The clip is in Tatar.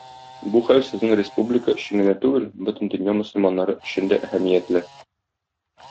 Бу хәл сезнең республика өчен генә түгел, бөтен дөнья мөселманнары өчен дә әһәмиятле.